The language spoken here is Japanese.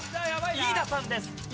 飯田さんです。